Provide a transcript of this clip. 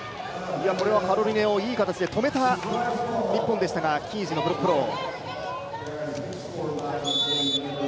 これはカロリネをいい形で止めた日本でしたがキージのブロックフォロー。